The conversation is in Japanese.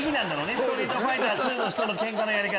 『ストリートファイター』の人のケンカのやり方。